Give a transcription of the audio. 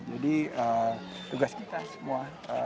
jadi tugas kita semua